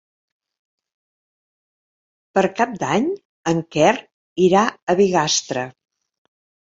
Per Cap d'Any en Quer irà a Bigastre.